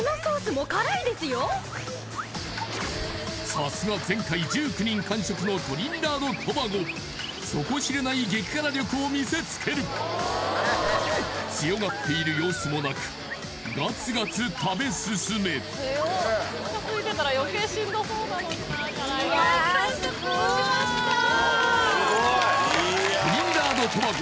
さすが前回１９人完食のトリニダード・トバゴ底知れない激辛力を見せつける強がっている様子もなくガツガツ食べ進めはい完食しましたトリニダード・トバゴ